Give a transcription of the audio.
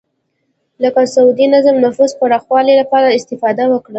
لکه سعودي نظام نفوذ پراخولو لپاره استفاده وکړه